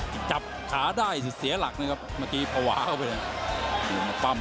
ตีเอาเหลี่ยมคุณแม่ตีเอากำลังอะ